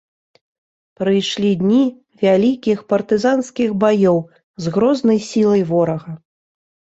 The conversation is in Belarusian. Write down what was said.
Прыйшлі дні вялікіх партызанскіх баёў з грознай сілай ворага.